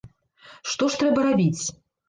Што ж трэба рабіць?